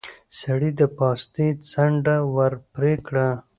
سړي د پاستي څنډه ور پرې کړه.